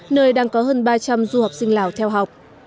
nơi đang có hơn ba trăm linh du học sinh lào theo học